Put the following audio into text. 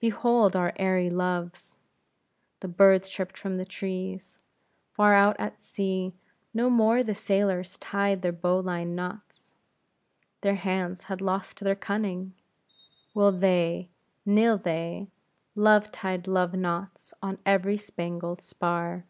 "Behold our airy loves," the birds chirped from the trees; far out at sea, no more the sailors tied their bowline knots; their hands had lost their cunning; will they, nill they, Love tied love knots on every spangled spar.